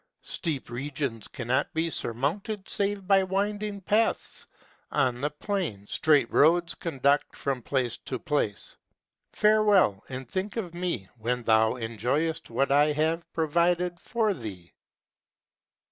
Steep regions cannot be surmounted save by winding paths: on the plain, straight roads conduct from place to place. Farewell, and think of me when thou enjoyest what I have provided for thee."